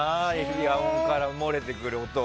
野音から漏れてくる音。